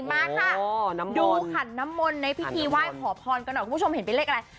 มาค่ะดูขันน้ำมนต์ในพิธีไหว้ขอพรกันหน่อยคุณผู้ชมเห็นเป็นเลขอะไร